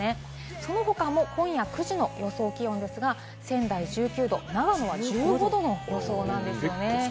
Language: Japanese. その他、今夜９時の予想気温ですが、長野は１５度の予想なんですよね。